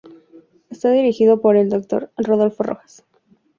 Está dirigido por el Dr. Rodolfo Rojas.